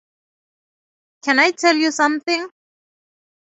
Can I tell you something?